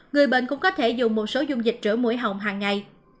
người bệnh cũng có thể dùng một số dung dịch rửa mũi họng hàng ngày